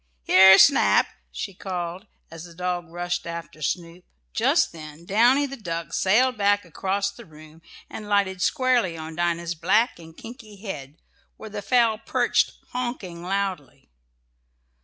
Here, Snap!" she called, as the dog rushed on after Snoop. Just then Downy, the duck, sailed back across the room, and lighted squarely on Dinah's black and kinky head, where the fowl perched "honking" loudly.